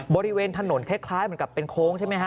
บริเวณถนนคล้ายเหมือนกับเป็นโค้งใช่ไหมฮ